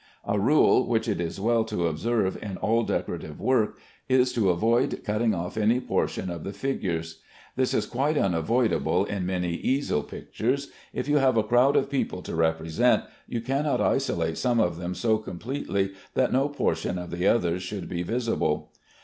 A rule which it is well to observe in all decorative work is to avoid cutting off any portion of the figures. This is quite unavoidable in many easel pictures. If you have a crowd of people to represent, you cannot isolate some of them so completely that no portion of the others should be visible.